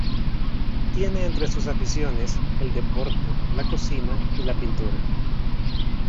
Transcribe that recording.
Tiene entre sus aficiones el deporte, la cocina y la pintura.